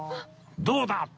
どうだ！？